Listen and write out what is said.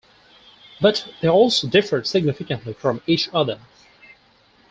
But they also differed significantly from each other.